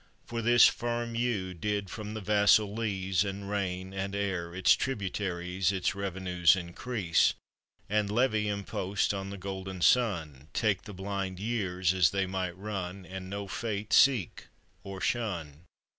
For this firm yew did from the vassal leas, And rain and air, its tributaries, Its revenues increase, And levy impost on the golden sun, Take the blind years as they might run, And no fate seek or shun.